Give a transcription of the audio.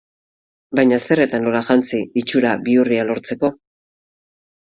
Baina zer eta nola jantzi itxura bihurria lortzeko?